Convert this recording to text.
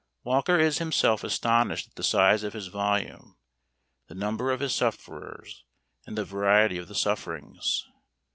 Walker is himself astonished at the size of his volume, the number of his sufferers, and the variety of the sufferings.